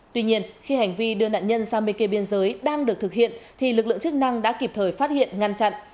tuy nhiên khi hành vi đưa nạn nhân sang bên kia biên giới đang được thực hiện thì lực lượng chức năng đã kịp thời phát hiện ngăn chặn